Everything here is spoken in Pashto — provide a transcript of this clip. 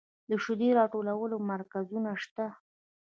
د شیدو راټولولو مرکزونه شته